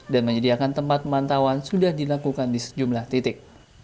dan menyediakan tempat pemantauan sudah dilakukan di sejumlah titik